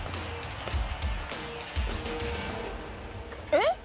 えっ！？